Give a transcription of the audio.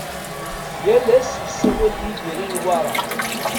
Yal ass isawal Yidir i Newwara.